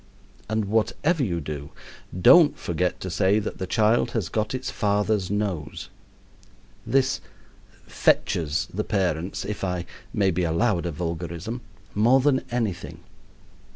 And whatever you do, don't forget to say that the child has got its father's nose. This "fetches" the parents (if I may be allowed a vulgarism) more than anything.